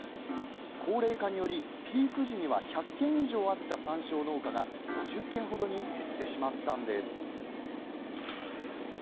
高齢化により、ピーク時には１００軒以上あった山椒農家が５０軒ほどに減ってしまったんです。